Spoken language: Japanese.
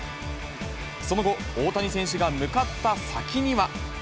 その後、大谷選手が向かった先には。